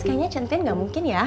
kayaknya chentain gak mungkin ya